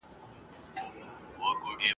له اغیار به څه ګیله وي په جانان اعتبار نسته !.